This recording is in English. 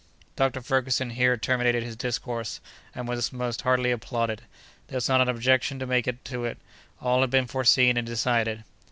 Dr. Ferguson here terminated his discourse, and was most heartily applauded. There was not an objection to make to it; all had been foreseen and decided.